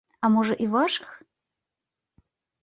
А можа і вашых?